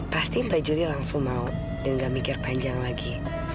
pasti mbak juli langsung mau dan gak mikir panjang lagi